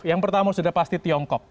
yang pertama sudah pasti tiongkok